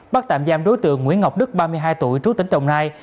bắt tạm giam đối tượng nguyễn ngọc đức ba mươi hai tuổi trú tỉnh đồng nai